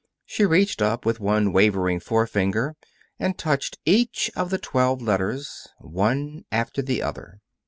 She reached up with one wavering forefinger and touched each of the twelve letters, one after the other.